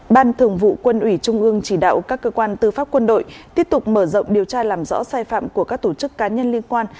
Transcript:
ban thường vụ quân ủy trung ương chỉ đạo các cơ quan tư pháp quân đội tiếp tục mở rộng điều tra làm rõ sai phạm của các tổ chức cá nhân liên quan